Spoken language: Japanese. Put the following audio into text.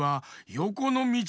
よこのみち？